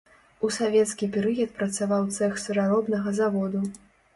У савецкі перыяд працаваў цэх сыраробнага заводу.